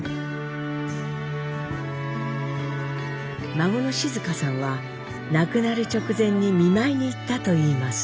孫の静河さんは亡くなる直前に見舞いに行ったと言います。